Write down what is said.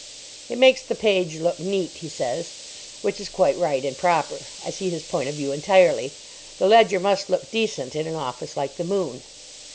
It makes the page look neat, he says. Which is quite right and proper. I see his point of view entirely. The ledger must look decent in an office like the "Moon."